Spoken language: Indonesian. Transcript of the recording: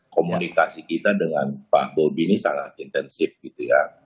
komunikasi kita dengan pak bobi ini sangat intensif gitu ya